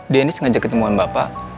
dia ini sengaja ketemuan bapak